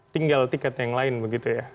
tinggal tiket yang lain begitu ya